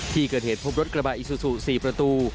ที่เกิดเหตุพบรถกระบะอิซูซู๔ประตู